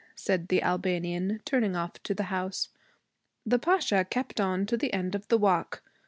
said the Albanian, turning off to the house. The Pasha kept on to the end of the walk.